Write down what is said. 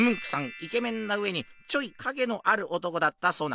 イケメンなうえにちょい影のある男だったそうな。